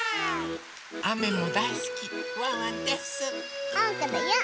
あめもだいすきワンワンです！